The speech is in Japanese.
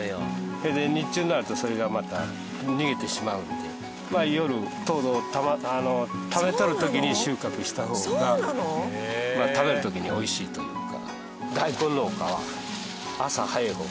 それで日中になるとそれがまた逃げてしまうんで夜糖度をためとる時に収穫した方が食べる時に美味しいというか。